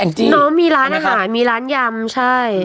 แองจี้ทำไมครับน้องมีร้านอาหารมีร้านยำใช่